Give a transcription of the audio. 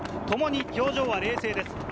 ともに表情は冷静です。